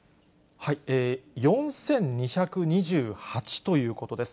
４２２８ということです。